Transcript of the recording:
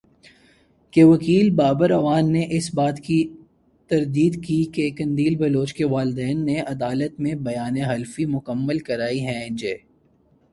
کے وکیل بابر اعوان نے اس بات کی تردید کی کہ قندیل بلوچ کے والدین نے عدالت میں بیان حلفی مکمل کرائے ہیں جس